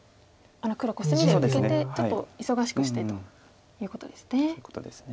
黒コスミで受けてちょっと忙しくしてということですね。